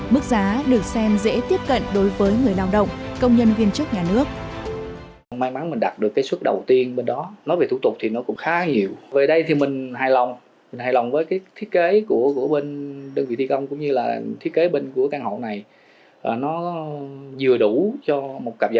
mức giá được xem dễ tiếp cận đối với người lao động công nhân viên chức nhà nước